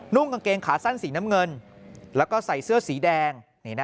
กางเกงขาสั้นสีน้ำเงินแล้วก็ใส่เสื้อสีแดง